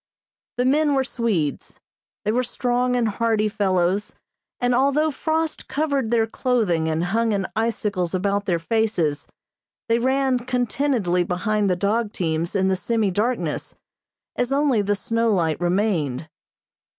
The men were Swedes. They were strong and hardy fellows, and although frost covered their clothing and hung in icicles about their faces, they ran contentedly behind the dog teams in the semi darkness, as only the snow light remained.